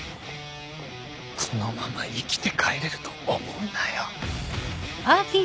このまま生きて帰れると思うなよ。